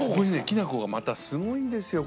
きな粉がまたすごいんですよ